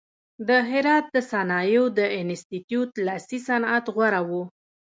د هرات د صنایعو د انستیتیوت لاسي صنعت غوره و.